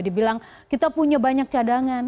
dibilang kita punya banyak cadangan